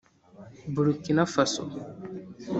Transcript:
Burkina-Faso